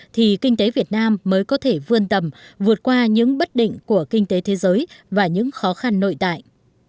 thì kinh tế việt nam mới có thể vươn tầm vượt qua những bất định của kinh tế thế giới và những khó khăn nội tại